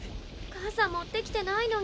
傘持ってきてないのに。